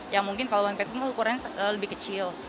yang mungkin kalau one bedroom ukuran lebih kecil